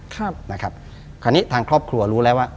คราวนี้ทางครอบครัวรู้แล้วว่า